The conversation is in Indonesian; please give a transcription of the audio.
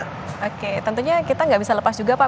oke tentunya kita nggak bisa lepas juga pak